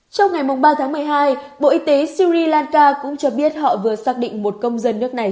trong ngày ba tháng một mươi hai bộ y tế syri lanka cũng cho biết họ vừa xác định một công dân nước này